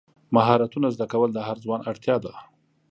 مهارتونه زده کول د هر ځوان اړتیا ده.